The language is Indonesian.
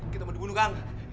kita mesti dibunuh